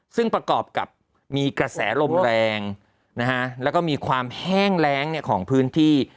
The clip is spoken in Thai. ซึ่งประกอบกับมีกระแสลมแรงนะฮะแล้วก็มีความแห้งแรงของพื้นที่